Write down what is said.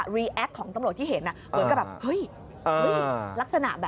รีแอคของตำรวจที่เห็นเหมือนกับแบบเฮ้ยลักษณะแบบ